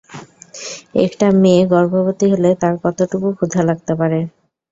একটা মেয়ে গর্ভবতী হলে তার কতটুকু ক্ষুধা লাগতে পারে?